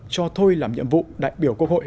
cho tôi làm nhiệm vụ đại biểu quốc hội